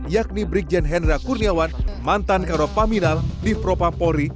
yakni brigjen hendra kurniawan mantan karo paminal div propam pohri